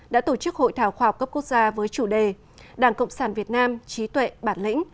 đã tổ chức hội thảo khoa học cấp quốc gia với chủ đề đảng cộng sản việt nam trí tuệ bản lĩnh